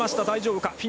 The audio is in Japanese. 大丈夫か。